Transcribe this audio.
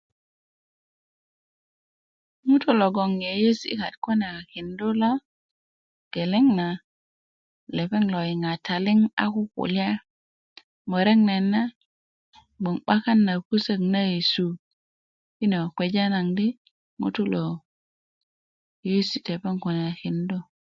ŋutu logon yeiyesi kayit a kindu lo geleŋ na lepeŋ lo yiŋa taliŋ a kukulya murek nayit na bgwoŋ 'bakan pusok na yesu yi na kpeja naŋ di ŋutu lo yeiyesi ti lepeŋ kune a kindu